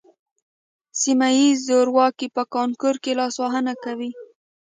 سیمه ییز زورواکي په کانکور کې لاسوهنه کوي